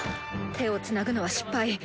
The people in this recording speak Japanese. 手をつなぐのは失敗。